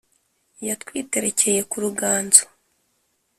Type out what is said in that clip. Yatwiterekeye ku ruganzo,